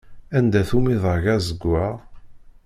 Anda-t umidag azeggaɣ?